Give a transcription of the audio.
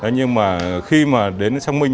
nhưng mà khi mà đến xong mình